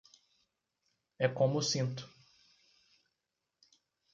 É como sinto.